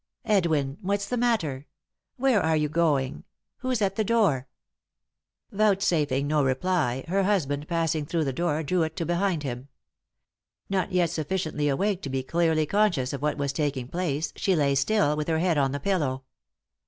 " Edwin I — what's the matter ? Where are you going ? Who's at the door ?" Vouchsafing no reply, her husband, passing through the door, drew it to behind him. Not yet sufficiently awake to be clearly conscious of what was taking place, she lay still, with her head on the pillow.